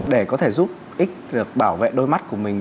để có thể giúp ích được bảo vệ đôi mắt của mình